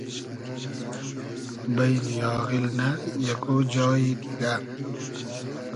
بݷن آغیل نۂ ! یئگۉ جایی دیگۂ